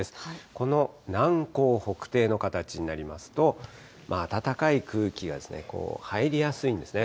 この南高北低の形になりますと、暖かい空気が入りやすいんですね。